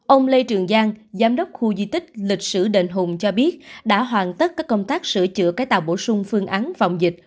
ông lê trường giang giám đốc khu di tích lịch sử đền hùng cho biết đã hoàn tất các công tác sửa chữa cái tàu bổ sung phương án phòng dịch